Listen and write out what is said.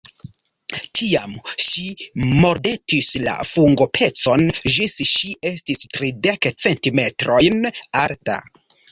Tiam, ŝi mordetis la fungopecon ĝis ŝi estis tridek centimetrojn alta.